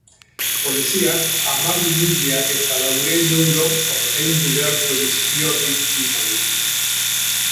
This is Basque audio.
Poliziak hamabi mila eta laurehun euro ordaindu beharko dizkio biktimari.